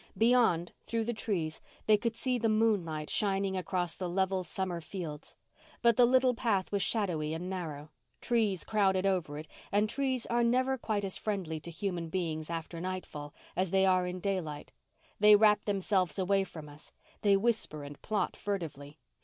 Beyond, through the trees, they could see the moonlight shining across the level summer fields. But the little path was shadowy and narrow. Trees crowded over it, and trees are never quite as friendly to human beings after nightfall as they are in daylight. They wrap themselves away from us. They whisper and plot furtively.